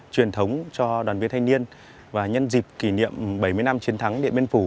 truyền thống cho đoàn viên thanh niên và nhân dịp kỷ niệm bảy mươi năm chiến thắng điện biên phủ